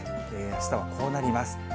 あしたはこうなります。